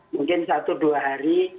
mungkin satu dua hari